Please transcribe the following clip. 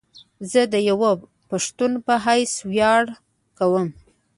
زه ديوه پښتون په حيث وياړ کوم